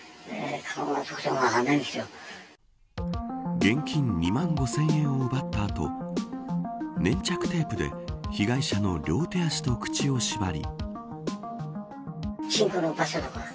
現金２万５０００円を奪った後粘着テープで被害者の両手足と口を縛り。